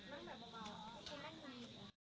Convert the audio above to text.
สวัสดี